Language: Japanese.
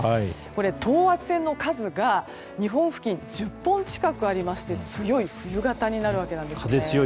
等圧線の数が日本付近、１０本近くありまして強い冬型になるわけです。